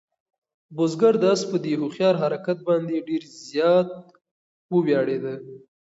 بزګر د آس په دې هوښیار حرکت باندې ډېر زیات وویاړېده.